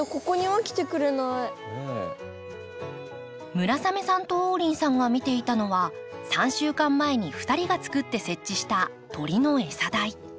村雨さんと王林さんが見ていたのは３週間前に２人が作って設置した鳥の餌台。